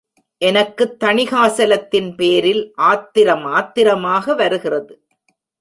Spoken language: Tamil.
எனக்குத் தணிகாசலத்தின் பேரில் ஆத்திரம் ஆத்திரமாக வருகிறது.